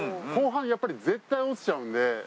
後半やっぱり絶対落ちちゃうんで。